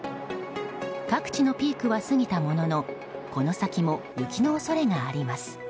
各地のピークは過ぎたもののこの先も、雪の恐れがあります。